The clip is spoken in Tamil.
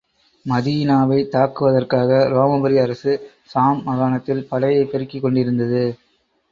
மதீனாவைத் தாக்குவதற்காக, ரோமாபுரி அரசு, ஷாம் மாகாணத்தில் படையைப் பெருக்கிக் கொண்டிருந்தது.